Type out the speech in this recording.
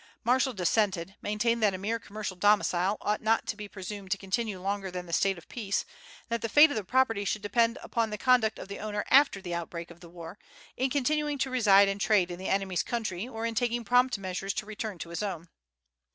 Marshall dissented, maintained that a mere commercial domicile ought not to be presumed to continue longer than the state of peace, and that the fate of the property should depend upon the conduct of the owner after the outbreak of the war, in continuing to reside and trade in the enemy's country or in taking prompt measures to return to his own.